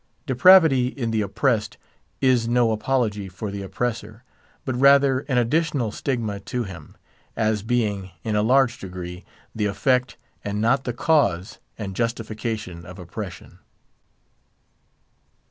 Depravity in the oppressed is no apology for the oppressor; but rather an additional stigma to him, as being, in a large degree, the effect, and not the cause and justification of oppression.